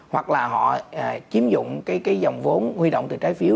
hoặc là họ chiếm dụng cái dòng vốn huy động từ trái phiếu